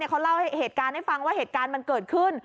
เขาเล่าเหตุการณ์ให้ฟังว่าเหตุการณ์มันเกิดขึ้น